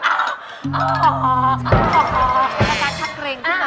ก็จะชักเร่งทุกคนนะ